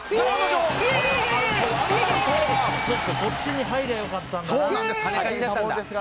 こっちに入れば良かったんだ。